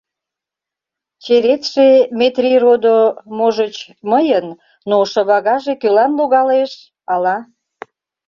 — Черетше, Метрий родо, можыч, мыйын, но шывагаже кӧлан логалеш, ала...